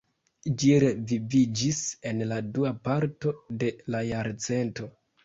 Ĝi reviviĝis en la dua parto de la jarcento.